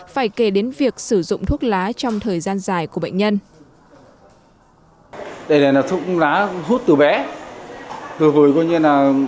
phải kể đến việc bệnh nhân đều có thói quen